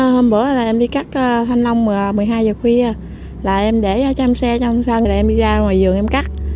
hôm bữa là em đi cắt thanh long một mươi hai h khuya là em để cho em xe trong sân rồi em đi ra ngoài giường em cắt